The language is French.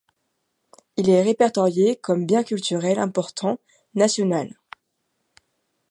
Il est répertorié comme bien culturel important national.